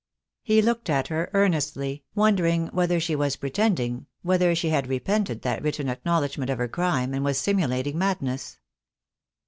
He looked at her earnestly, wondering whether she was pretending, whether she had repented that written acknowledgment of her crime, and was simulating mad ness.